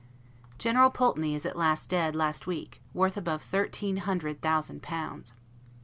General Pulteney is at last dead, last week, worth above thirteen hundred thousand pounds.